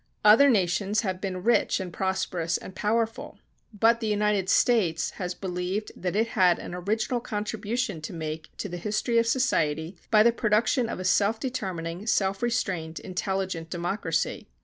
Other nations have been rich and prosperous and powerful. But the United States has believed that it had an original contribution to make to the history of society by the production of a self determining, self restrained, intelligent democracy.